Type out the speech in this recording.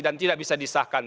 dan tidak bisa disahkan